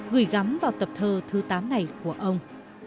gửi gắm vào tập thơ thứ tám này của ông